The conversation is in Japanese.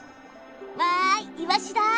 わいイワシだ。